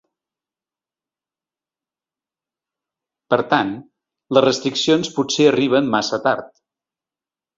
Per tant, les restriccions potser arriben massa tard.